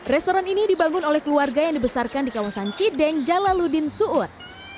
restoran ini dibangun oleh keluarga yang dibesarkan di kawasan cideng jalaludin suud